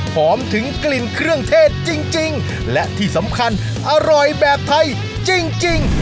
ถึงกลิ่นเครื่องเทศจริงและที่สำคัญอร่อยแบบไทยจริง